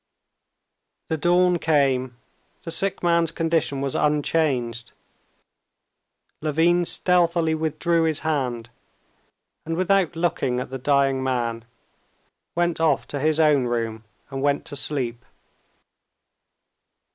The dawn came; the sick man's condition was unchanged. Levin stealthily withdrew his hand, and without looking at the dying man, went off to his own room and went to sleep.